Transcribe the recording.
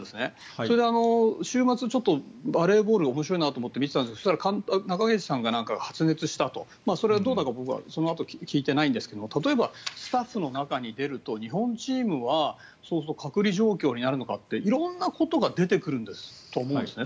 それで、週末、ちょっとバレーボールが面白いなと思って見ていたんですが中垣内さんが発熱したとそのあとは僕は聞いてないんですがスタッフの中に出ると日本チームは隔離状況になるのかって色々なことが出てくると思うんですね。